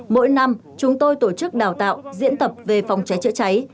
mỗi năm chúng tôi tổ chức đào tạo diễn tập về phòng cháy chữa cháy